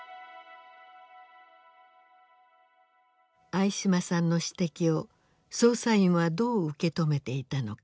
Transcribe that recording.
相嶋さんの指摘を捜査員はどう受け止めていたのか。